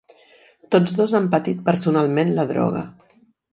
Tots dos han patit personalment la droga.